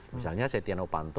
misalnya setia novanto